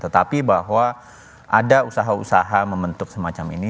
tetapi bahwa ada usaha usaha membentuk semacam ini